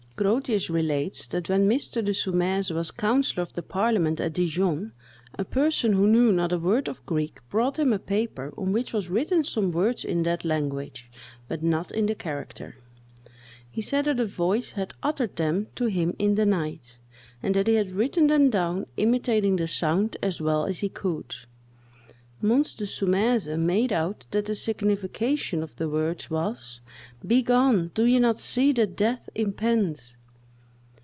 Grotius relates, that when Mr. de Saumaise was councillor of the parliament at Dijon, a person, who knew not a word of Greek, brought him a paper on which was written some words in that language, but not in the character. He said that a voice had uttered them to him in the night, and that he had written them down, imitating the sound as well as he could. Mons de Saumaise made out that the signification of the words was, "Begone! do you not see that death impends?"